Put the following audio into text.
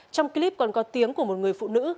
trong clip còn có tiếng của một người phụ nữ